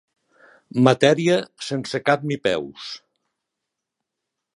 Matèria sense cap ni peus.